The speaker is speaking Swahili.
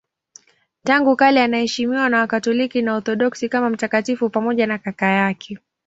Tangu kale anaheshimiwa na Wakatoliki na Waorthodoksi kama mtakatifu pamoja na kaka yake.